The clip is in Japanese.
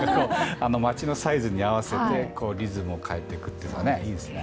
街のサイズに合わせてリズムを変えていくというのはいいですね。